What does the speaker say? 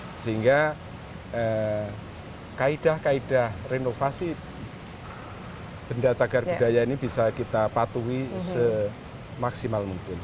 sehingga kaedah kaedah renovasi benda cagar budaya ini bisa kita patuhi semaksimal mungkin